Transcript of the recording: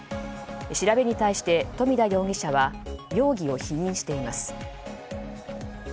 調べに対して富田容疑者は容疑を否認しています。